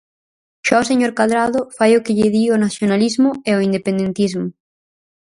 Xa o señor Cadrado fai o que lle di o nacionalismo e o independentismo.